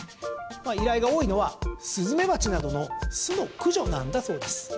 依頼が多いのはスズメバチなどの巣の駆除なんだそうです。